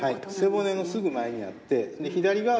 背骨のすぐ前にあって左側はですね